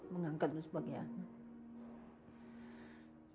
mengangkatmu sebagai anak